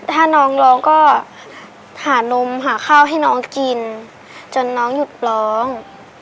ถ้าน้องร้องก็หานมหาข้าวให้น้องกินจนน้องหยุดร้อง